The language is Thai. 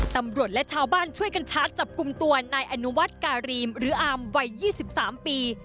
ตำรวจและชาวบ้านช่วยการชาร์จจับกลุ่มตัวในอนวัตกาลีมหรืออาร์มวัยยี่สิบสามปี